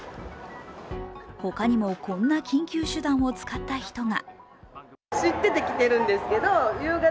ほかにもこんな緊急手段を使った人が。